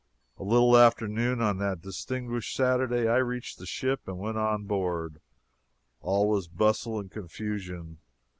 A little after noon on that distinguished Saturday I reached the ship and went on board. All was bustle and confusion.